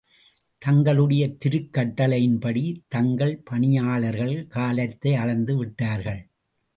தங்களுடைய திருக் கட்டளையின் படி, தங்கள் பணியாளர்கள், காலத்தை அளந்து விட்டார்கள்.